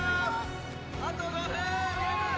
あと５分！